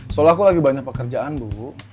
soalnya aku lagi banyak pekerjaan bu